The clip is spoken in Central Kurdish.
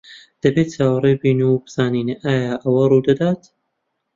دەبێت چاوەڕوان بین و بزانین ئایا ئەوە ڕوودەدات.